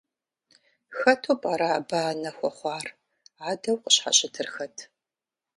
Хэту пӏэрэ абы анэ хуэхъуар, адэу къыщхьэщытыр хэт?